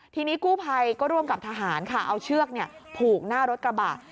ทีนี้กู้ภัยก็ร่วมกับทหารค่ะเอาเชือกผูกหน้ารถกระบะ